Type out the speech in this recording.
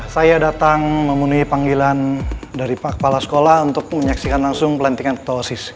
saya datang memenuhi panggilan dari pak kepala sekolah untuk menyaksikan langsung pelantikan ketua osis